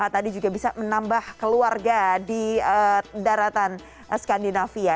tadi juga bisa menambah keluarga di daratan skandinavia